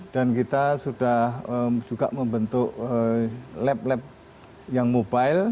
dan kita sudah juga membentuk lab lab yang mobile